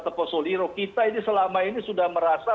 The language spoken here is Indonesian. diiroh kita ini selama ini sudah merasa